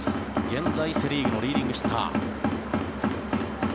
現在、セ・リーグのリーディングヒッター。